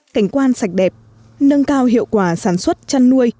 cảnh quan sạch đẹp nâng cao hiệu quả sản xuất chăn nuôi